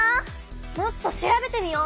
もっと調べてみよう！